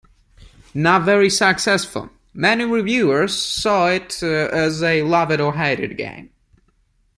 Not very successful, many reviewers saw it as a love-it-or-hate-it game.